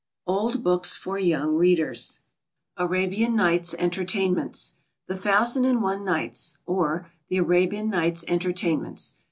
Old Books for Young Readers. Arabian Nights' Entertainments. The Thousand and One Nights; or, The Arabian Nights' Entertainments.